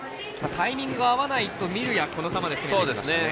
タイミングが合わないと見るやこの球できましたね。